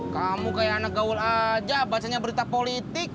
kamu kayak anak gaul aja bacanya berita politik